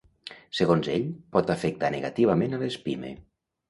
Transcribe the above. Segons ell, pot afectar negativament a les Pime?